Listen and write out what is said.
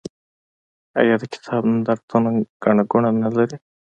آیا د کتاب نندارتونونه ګڼه ګوڼه نلري؟